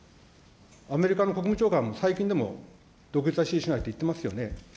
アメリカの国務長官も、最近でも、独立は支持しないって言ってますよね。